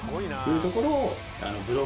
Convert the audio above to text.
いうところを。